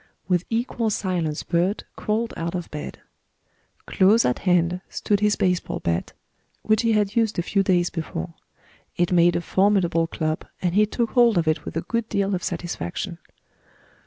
With equal silence Bert crawled out of bed. Close at hand stood his base ball bat, which he had used a few days before. It made a formidable club, and he took hold of it with a good deal of satisfaction.